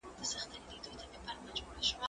زه پرون چپنه پاکوم!.